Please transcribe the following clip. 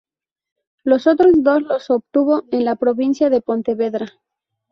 Los otros dos los obtuvo en la provincia de Pontevedra.